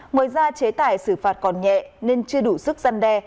ngoài ra chế tải xử phạt còn nhẹ nên chưa đủ sức gian đe